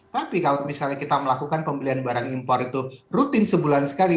tapi kalau misalnya kita melakukan pembelian barang impor itu rutin sebulan sekali